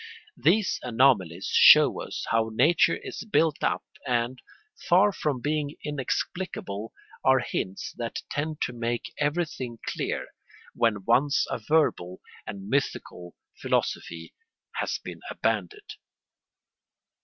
These anomalies show us how nature is built up and, far from being inexplicable, are hints that tend to make everything clear, when once a verbal and mythical philosophy has been abandoned.